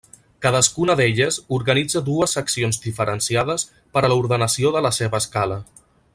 Cadascuna d'elles organitza dues seccions diferenciades per a l'ordenació de la seva escala.